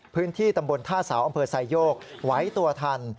พื้นที่ตำบลท่าเสาอำเภอไซโยกไหวตัวทัน